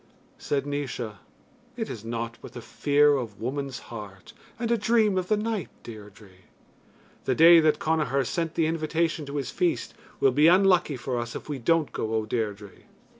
Said Naois: It is nought but the fear of woman's heart, And a dream of the night, Deirdre. "The day that Connachar sent the invitation to his feast will be unlucky for us if we don't go, O Deirdre."